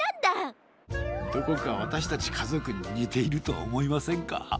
どこかわたしたちかぞくににているとおもいませんか？